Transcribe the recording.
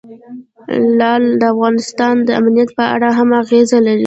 لعل د افغانستان د امنیت په اړه هم اغېز لري.